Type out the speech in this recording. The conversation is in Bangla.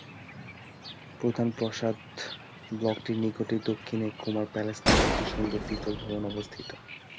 প্রধান প্রাসাদ ব্লকটির নিকটেই দক্ষিণে ‘কুমার প্যালেস’ নামে একটি সুন্দর দ্বিতল ভবন অবস্থিত।